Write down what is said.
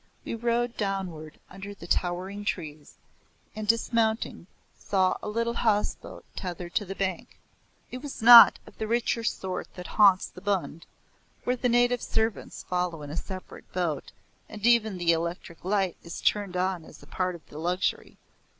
We rode downward under the towering trees, and dismounting, saw a little houseboat tethered to the bank. It was not of the richer sort that haunts the Bund, where the native servants follow in a separate boat, and even the electric light is turned on as part of the luxury.